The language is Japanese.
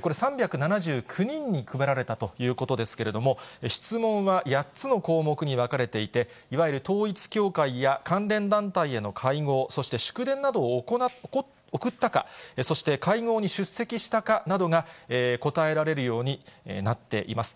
これ、３７９人に配られたということですけれども、質問は８つの項目に分かれていて、いわゆる統一教会や、関連団体への会合、そして祝電などを送ったか、そして、会合に出席したかなどが、答えられるようになっています。